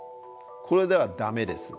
これではダメです。